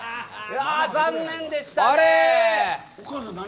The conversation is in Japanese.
残念でしたね。